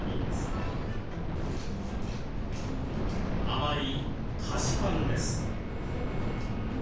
甘い菓子パンです。